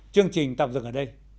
chương trình tạm dừng ở đây